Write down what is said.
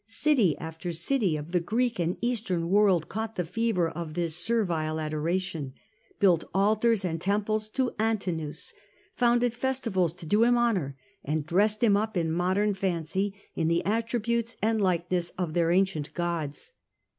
City after city of the Greek and Eastern world caught the fever of this servile adoration, built altars and temples to Antinous, founded festivals to do him honour, and dressed him up to modern fancy in the attributes and likeness of their ancient gods.